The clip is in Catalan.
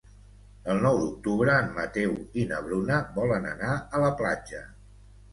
El nou d'octubre en Mateu i na Bruna volen anar a la platja.